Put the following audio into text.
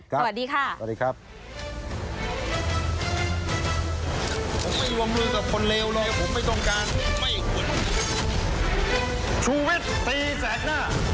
ครับสวัสดีค่ะสวัสดีครับสวัสดีครับ